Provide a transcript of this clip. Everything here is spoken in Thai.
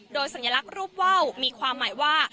โดยสัญลักษณ์รูปว่าวมีความหมายว่า